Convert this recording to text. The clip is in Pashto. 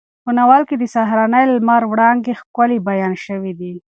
په ناول کې د سهارني لمر وړانګې ښکلې بیان شوې دي.